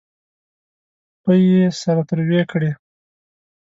پۍ یې سره تروې کړې.